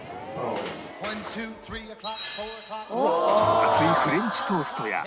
分厚いフレンチトーストや